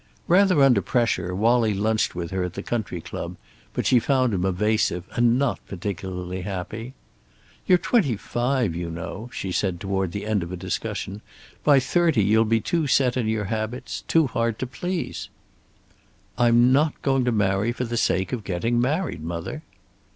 Rather under pressure, Wallie lunched with her at the country club, but she found him evasive and not particularly happy. "You're twenty five, you know," she said, toward the end of a discussion. "By thirty you'll be too set in your habits, too hard to please." "I'm not going to marry for the sake of getting married, mother."